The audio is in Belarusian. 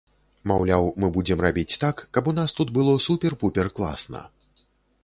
Маўляў, мы будзем рабіць так, каб у нас тут было супер-пупер класна.